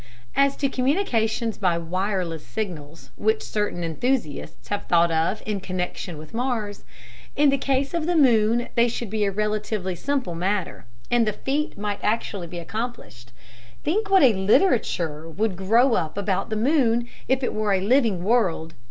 As to communications by "wireless" signals, which certain enthusiasts have thought of in connection with Mars, in the case of the moon they should be a relatively simple matter, and the feat might actually be accomplished. Think what a literature would grow up about the moon if it were a living world!